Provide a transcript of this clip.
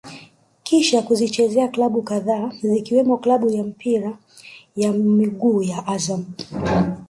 Kisha kuzichezea klabu kadhaa zikiwemo klabu ya mpira wa miguu ya Azam